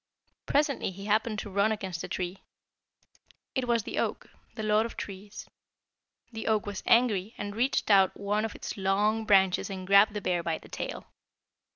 Presently he happened to run against a tree. It was the oak, the lord of trees. The oak was angry and reached out one of its long branches and grabbed the bear by the tail.